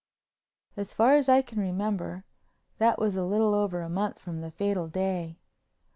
As far as I can remember, that was a little over a month from the fatal day.